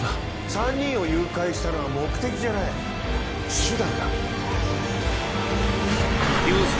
３人を誘拐したのは目的じゃない手段だ。